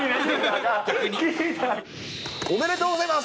おめでとうございます。